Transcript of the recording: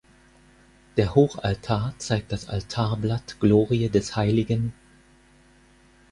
Der Hochaltar zeigt das Altarblatt Glorie des hl.